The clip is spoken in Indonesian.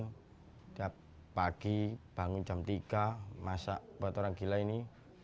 setiap pagi bangun jam tiga masak buat orang gila ini